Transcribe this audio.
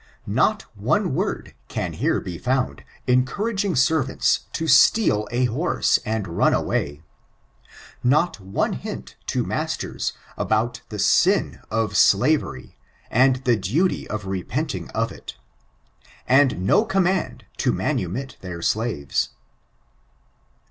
Not one word can here be found encouraging servants to steal a herse, and run away; not one hint to masters about die i I ON ABOIimOinSM. 549 mn of dsvery, and the doty of rependog of it; and no oonmiiid to manumit their daves.